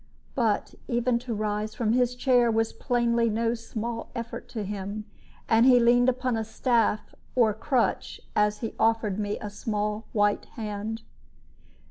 But even to rise from his chair was plainly no small effort to him, and he leaned upon a staff or crutch as he offered me a small white hand.